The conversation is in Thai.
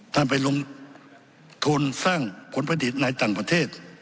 ท่านไปลงทุนสร้างผลผลิตในต่างประเทศ